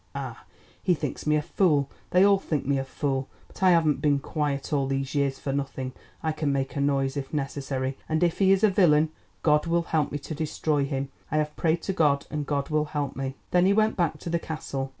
Ah, he thinks me a fool, they all think me a fool, but I haven't been quiet all these years for nothing. I can make a noise if necessary. And if he is a villain, God will help me to destroy him. I have prayed to God, and God will help me." Then he went back to the Castle.